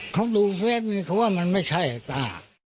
เขาดูแวะนึงเขาว่ามันไม่ใช่ตา